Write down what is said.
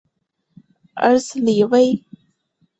儿子李威。